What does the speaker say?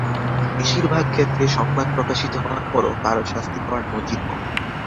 বেশির ভাগ ক্ষেত্রে সংবাদ প্রকাশিত হওয়ার পরও কারও শাস্তি হওয়ার নজির কম।